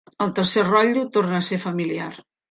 El tercer rotllo torna a ser familiar.